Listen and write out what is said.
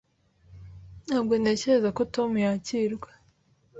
Ntabwo ntekereza ko Tom yakirwa.